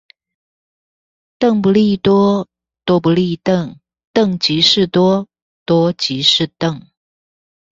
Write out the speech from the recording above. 鄧不利多，多不利鄧。鄧即是多，多即是鄧